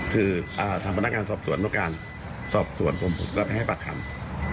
คือทางพนักงานสอบสวนต้องการสอบส่วนผมก็ไปให้ปากคำ